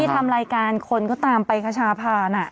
ทำรายการคนก็ตามไปคชาพาน